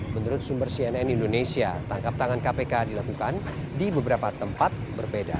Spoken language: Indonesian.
menurut sumber cnn indonesia tangkap tangan kpk dilakukan di beberapa tempat berbeda